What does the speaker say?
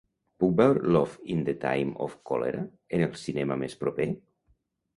Puc veure "Love in the Time of Cholera" en el cinema més proper?